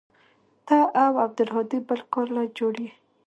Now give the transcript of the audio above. ته او عبدالهادي بل كار له جوړ يې.